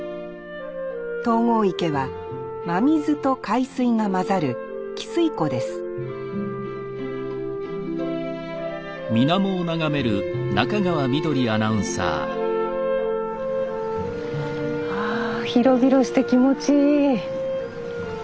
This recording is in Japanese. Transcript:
東郷池は真水と海水が混ざる汽水湖ですあ広々して気持ちいい。